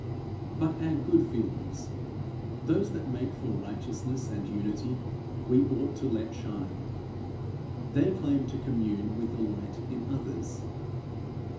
But our good feelings, those that make for righteousness and unity, we ought to let shine; they claim to commune with the light in others.